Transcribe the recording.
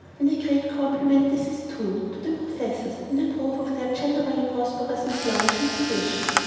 And a great compliment this is, too, to the professors, and a proof of their generally prosperous and flourishing condition.